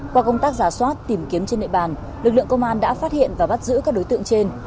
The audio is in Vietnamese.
qua công tác giả soát tìm kiếm trên địa bàn lực lượng công an đã phát hiện và bắt giữ các đối tượng trên